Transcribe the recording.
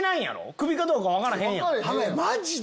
クビかどうか分からへんやん。